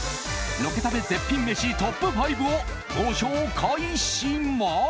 ロケ食べ絶品めしトップ５をご紹介します。